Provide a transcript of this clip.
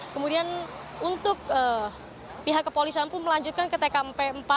kemudian untuk pihak kepolisian pun melanjutkan ke tkp empat